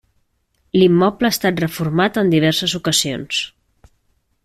L'immoble ha estat reformat en diverses ocasions.